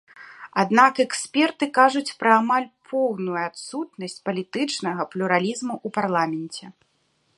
Аднак эксперты кажуць пра амаль поўную адсутнасць палітычнага плюралізму ў парламенце.